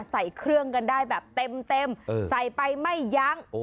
ใส่เครื่องกันได้แบบเต็มใส่ไปไม่ยั้ง